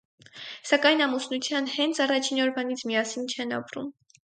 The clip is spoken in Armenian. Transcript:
Սակայն ամուսնության հենց առաջին օրվանից միասին չեն ապրում։